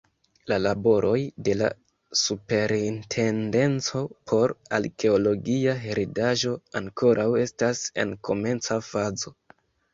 La laboroj de la Superintendenco por Arkeologia Heredaĵo ankoraŭ estas en komenca fazo.